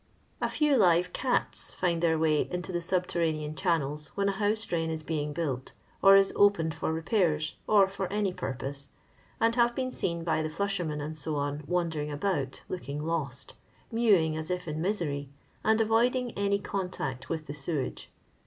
A few live oats find their way into the subterranean channels when a house drain is being built, or is opened foi; repairs, or for any purpose, and lutve been seen by theflushermen, &c., wandering about, looking lost, mewing as if in misery, and avoiding any contact with the sewage.